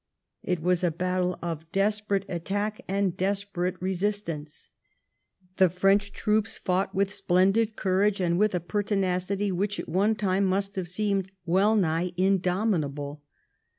It was a battle of desperate attack and desperate resistance. The French troops fought with splendid courage and with a pertinacity 28 THE KEIGN OF QUEEN ANNE. ch. xxii. which at one time must have seemed well nigh indomit able.